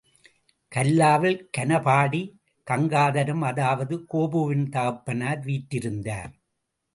கல்லாவில் கனபாடி கங்காதரம் அதாவது, கோபுவின் தகப்பனார் வீற்றிருந்தார்.